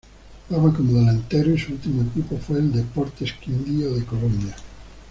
Jugaba como delantero y su ultimo equipo fue el Deportes Quindío de Colombia.